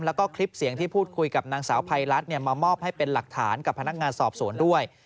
แล้วก็คลิปเสียงที่พูดคุยกับนางสาวภัยรัฐมามอบให้เป็นหลักฐานกับพนักงานสอบสวนด้วย